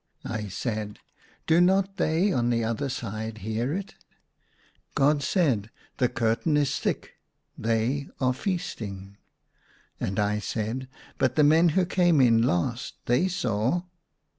I said, " Do not they on the other side hear it ?" God said, " The curtain is thick ; they are feasting." And I said, " But the men who came in last. They saw